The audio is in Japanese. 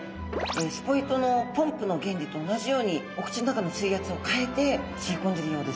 スポイトのポンプの原理と同じようにお口の中の水圧を変えて吸い込んでるようです。